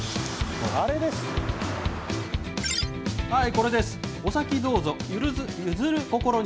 あれです。